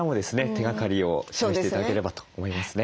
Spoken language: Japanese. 手がかりを示して頂ければと思いますね。